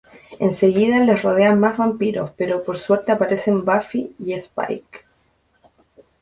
En seguida les rodean más vampiros, pero por suerte aparecen Buffy y Spike.